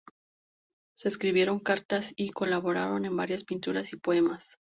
Se escribieron cartas, y colaboraron en varias pinturas y poemas.